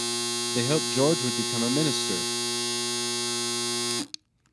They hoped George would become a minister.